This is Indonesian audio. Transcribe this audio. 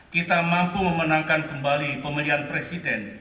kita mampu memenangkan kembali pemilihan presiden